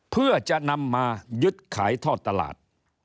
เพื่อจะนำมายึดขายทอดตลาด